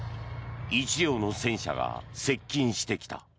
１両の戦車が接近してきた。